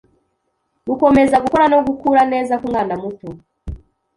gukomeza gukora no gukura neza ku mwana muto